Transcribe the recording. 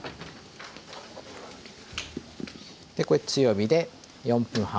これ強火で４分半。